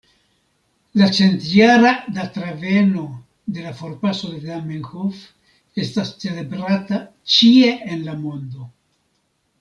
La centjara datreveno de la forpaso de Zamenhof estas celebrata ĉie en la mondo.